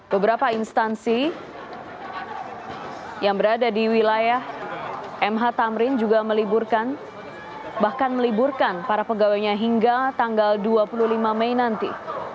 beberapa instansi yang berada di wilayah mh tamrin juga meliburkan bahkan meliburkan para pegawainya hingga tanggal dua puluh lima mei nanti